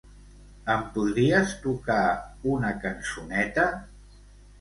Em podries tocar una cançoneta?